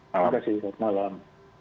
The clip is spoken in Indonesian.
terima kasih selamat malam